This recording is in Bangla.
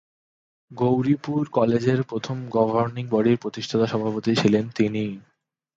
গৌরীপুর কলেজের প্রথম গভর্নিং বডির প্রতিষ্ঠাতা সভাপতি ছিলেন তিনি।